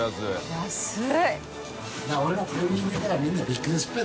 安い！